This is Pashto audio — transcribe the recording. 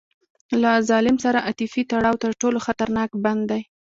له ظالم سره عاطفي تړاو تر ټولو خطرناک بند دی.